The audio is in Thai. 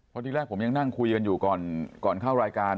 เพราะที่แรกผมยังนั่งคุยกันอยู่ก่อนเข้ารายการ